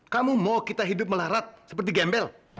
kamu ingin kita hidup seperti gembel